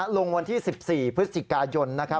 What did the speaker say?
ลงวันที่๑๔พฤศจิกายน